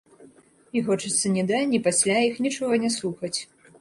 І хочацца ні да, ні пасля іх нічога не слухаць.